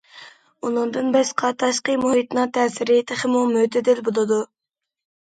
ئۇنىڭدىن باشقا، تاشقى مۇھىتنىڭ تەسىرى تېخىمۇ مۆتىدىل بولىدۇ.